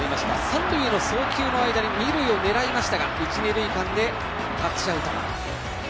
三塁への送球の間に二塁を狙いましたが一、二塁間でタッチアウト。